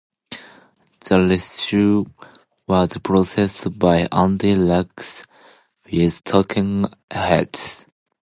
The reissue was produced by Andy Zax with Talking Heads.